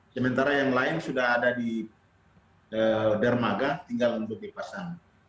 sementara yang lain sudah ada di dermaga tinggal untuk dipasang